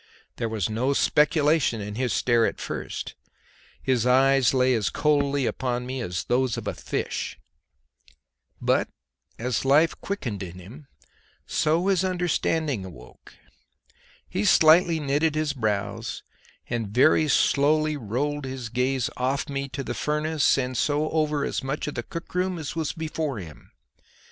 There was no speculation in his stare at first; his eyes lay as coldly upon me as those of a fish; but as life quickened in him so his understanding awoke; he slightly knitted his brows, and very slowly rolled his gaze off me to the furnace and so over as much of the cook room as was before him.